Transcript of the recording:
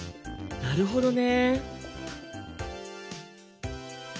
なるほどね。